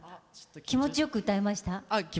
気持ちよく歌えました。